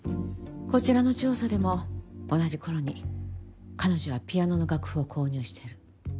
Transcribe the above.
こちらの調査でも同じころに彼女はピアノの楽譜を購入してる。